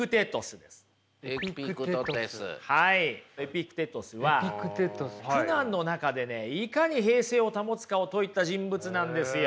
エピクテトスは苦難の中でねいかに平静を保つかを説いた人物なんですよ。